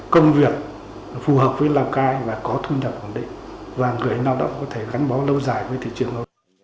công việc phù hợp với lào cai và có thu nhập ổn định và người lao động có thể gắn bó lâu dài với thị trường lao